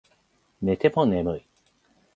寝ても眠い